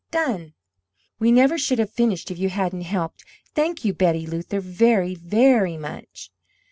"Done!" "We never should have finished if you hadn't helped! Thank you, Betty Luther, very, VERY much!